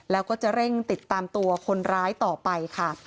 แล้วก็จะเร่งติดตามตัวคนร้ายต่อไปค่ะ